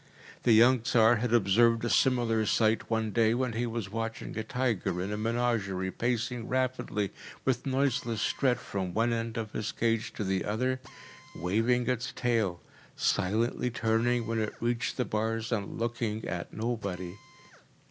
The young Tsar had observed a similar sight one day when he was watching a tiger in a menagerie pacing rapidly with noiseless tread from one end of his cage to the other, waving its tail, silently turning when it reached the bars, and looking at nobody.